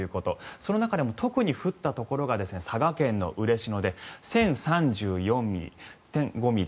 その中でも特に降ったところが佐賀県の嬉野で１０３４．５ミリ。